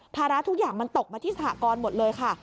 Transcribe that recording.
ระทุกอย่างมันตกมาที่สหกรณ์หมดเลยค่ะ